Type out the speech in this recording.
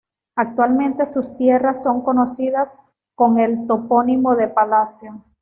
Actualmente sus tierras son conocidas con el topónimo de "Palacio".